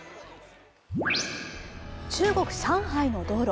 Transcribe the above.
中国・上海の道路。